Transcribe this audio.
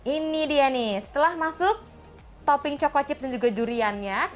ini dia nih setelah masuk topping choco chips dan juga duriannya